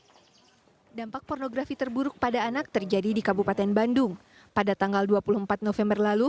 hai dampak pornografi terburuk pada anak terjadi di kabupaten bandung pada tanggal dua puluh empat november lalu